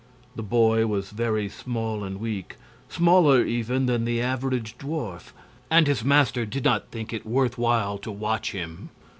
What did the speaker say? The boy was very small and weak smaller even than the average dwarf and his master did not think it worth while to watch him.